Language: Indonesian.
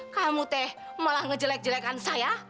kamu teh malah ngejelek jelekan saya